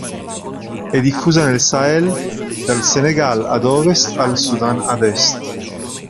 È diffusa nel Sahel, dal Senegal ad ovest al Sudan ad est.